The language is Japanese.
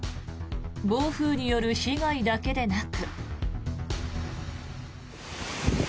暴風による被害だけでなく。